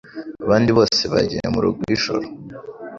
Abandi bose bagiye murugo ijoro